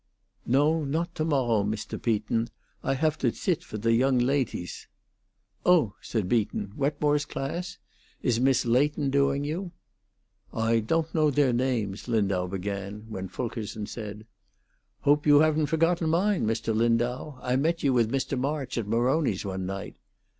"No, not to morrow, Mr. Peaton. I haf to zit for the young ladties." "Oh!" said Beaton. "Wetmore's class? Is Miss Leighton doing you?" "I don't know their namess," Lindau began, when Fulkerson said: "Hope you haven't forgotten mine, Mr. Lindau? I met you with Mr. March at Maroni's one night."